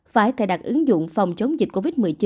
phải cài đặt ứng dụng phòng chống dịch covid một mươi chín